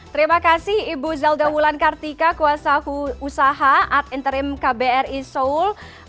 terima kasih ibu zelda wulan kartika kuasa usaha ad interim kbri seoul